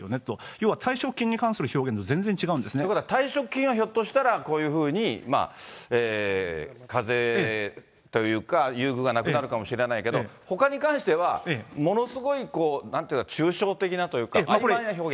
要は退職金に関する表現が全然違うんですね。ということは、退職金はひょっとしたらこういうふうに課税というか、優遇がなくなるかもしれないけど、ほかに関してはものすごいなんというか、抽象的なというか、あいまいな表現。